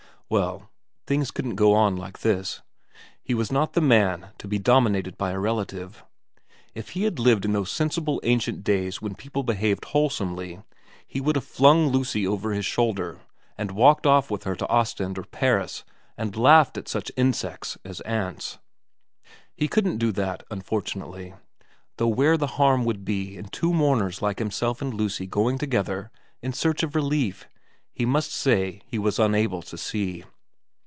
... Well, things couldn't go on like this. He was not the man to be dominated by a relative. If he had lived in those sensible ancient days when people behaved v VERA 55 wholesomely, he would have flung Lucy over his shoulder and walked off with her to Ostend or Paris and laughed at such insects as aunts. He couldn't do that unfor tunately, though where the harm would be in two mourners like himself and Lucy going together in search of relief he must say he was unable to see.